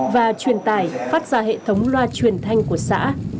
và truyền tải phát ra hệ thống loa truyền thanh của xã